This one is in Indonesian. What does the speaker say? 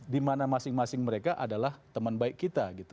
dimana masing masing mereka adalah teman baik kita gitu